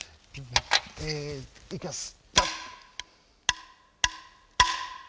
えいきます。